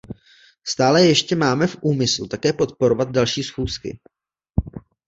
Stále ještě máme v úmyslu také podporovat další schůzky.